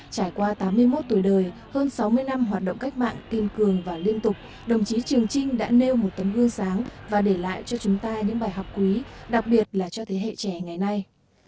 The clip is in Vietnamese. trải qua tám mươi một tuổi đời hơn sáu mươi năm hoạt động cách mạng kiên cường và liên tục đồng chí trường trinh đã nêu một tấm gương sáng và để lại cho chúng ta những bài học quý đặc biệt là cho thế hệ trẻ ngày nay